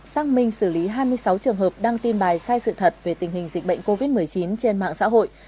xác minh xử lý hai mươi sáu trường hợp đăng tin bài sai sự thật về tình hình dịch bệnh covid một mươi chín trên mạng xã hội